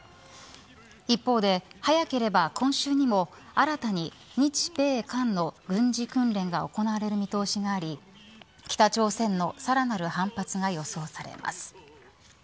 一方で、早ければ今週にも新たに日米韓の軍事訓練が行われる見通しがあり北朝鮮のさらなる反発が予想されます。